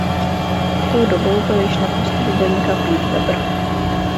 Tou dobou již byl na postu bubeníka Pete Webber.